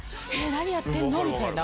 何やってんのみたいな。